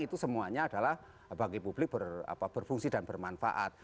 itu semuanya adalah bagi publik berfungsi dan bermanfaat